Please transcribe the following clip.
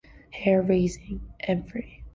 Hair-raising, in every sense of the word.